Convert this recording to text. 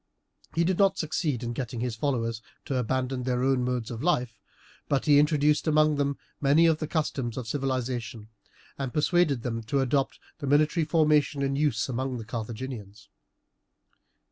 He did not succeed in getting his followers to abandon their own modes of life, but he introduced among them many of the customs of civilization, and persuaded them to adopt the military formation in use among the Carthaginians.